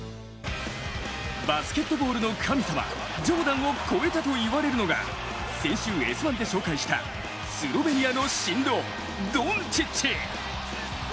バスケットボールの神様ジョーダンを超えたといわれるのが先週「Ｓ☆１」で紹介したスロベニアの神童、ドンチッチ。